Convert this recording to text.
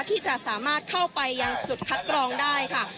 ที่จะสามารถเข้าไปยังจุดคัดกรองได้ค่ะ